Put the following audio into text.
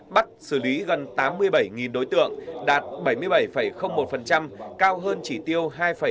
bắt xử lý gần tám mươi bảy đối tượng đạt bảy mươi bảy một cao hơn chỉ tiêu hai bảy mươi